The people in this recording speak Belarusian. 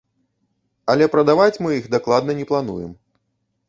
Але прадаваць мы іх дакладна не плануем.